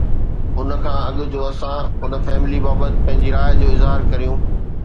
ان کان اڳ جو اسان ان فيصلي بابت پنهنجي راءِ جو اظهار ڪريون